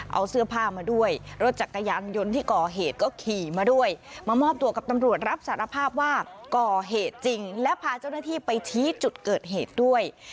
เอาเสื้อผ้ามาด้วยรถจักรยานยนต์ที่ก่อเหตุก็ขี่มาด้วยมามอบตัวกับตำรวจรับสารภาพว่าก่อเหตุจริงและพาเจ้าหน้าที่ไปชี้จุดเกิดเหตุด้วย